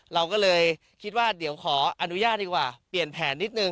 เราก็เลยคิดว่าเดี๋ยวขออนุญาตดีกว่าเปลี่ยนแผนนิดนึ